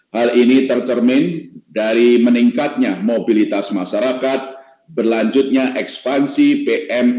hal ini tercermin dari meningkatnya mobilitas masyarakat berlanjutnya ekspansi bmkg